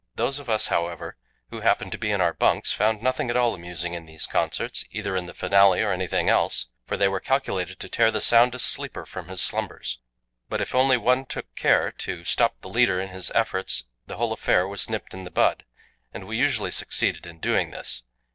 Those of us, however, who happened to be in our bunks, found nothing at all amusing in these concerts, either in the finale or anything else, for they were calculated to tear the soundest sleeper from his slumbers. But if one only took care to stop the leader in his efforts the whole affair was nipped in the bud, and we usually succeeded in doing this.